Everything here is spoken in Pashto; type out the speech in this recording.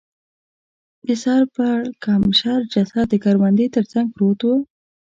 د سر پړکمشر جسد د کروندې تر څنګ پروت و.